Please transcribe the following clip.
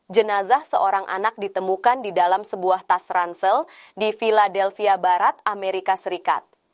jenazah seorang anak ditemukan di dalam sebuah tas ransel di philadelphia barat amerika serikat